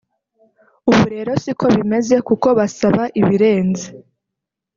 ubu rero si ko bimeze kuko basaba ibirenze